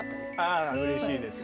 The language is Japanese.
あうれしいですね。